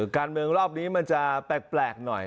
การเมืองรอบนี้มันจะแปลกหน่อย